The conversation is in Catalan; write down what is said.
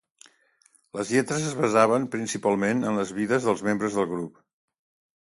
Les lletres es basaven principalment en les vides dels membres del grup.